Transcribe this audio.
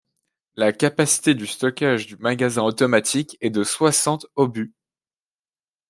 La capacité de stockage du magasin automatique est de soixante obus.